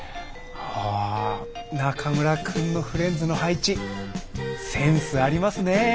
あ中村くんのフレンズの配置センスありますね。